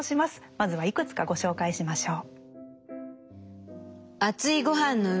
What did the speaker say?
まずはいくつかご紹介しましょう。